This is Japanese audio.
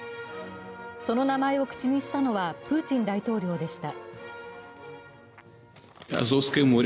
その名前を口にしたのはプーチン大統領でした。